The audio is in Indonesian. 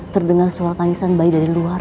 terdengar suara kaisang bayi dari luar